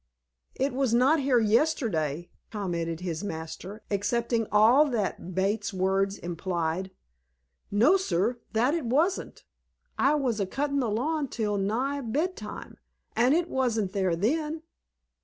"It was not here yesterday," commented his master, accepting all that Bates's words implied. "No, sir, that it wasn't. I was a cuttin' the lawn till nigh bed time, an' it wasn't there then."